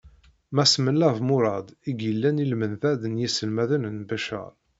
Mass Mellab Murad i yellan i lmendad n yiselmaden n Beccar.